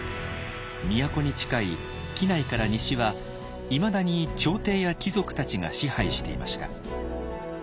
都に近い畿内から西はいまだに朝廷や貴族たちが支配していました。